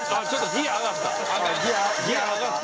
ギア上がったやん。